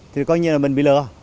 thì coi như là mình bị lừa